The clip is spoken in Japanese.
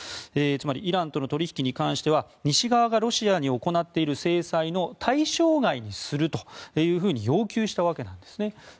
つまりイランとの取引に関しては西側がロシアに行っている制裁の対象外にすると要求したわけなんです。